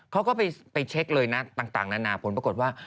เขาก็ไปเช็คเลยนะต่างนานาผลปรากฏว่า